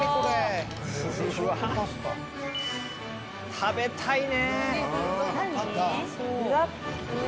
食べたいね！